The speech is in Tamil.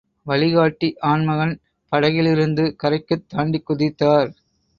வழிகாட்டி ஆண்மகன் படகிலிருந்து கரைக்குத் தாண்டிக் குதித்தார்.